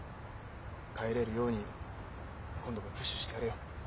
帰れるように今度もプッシュしてやれよ。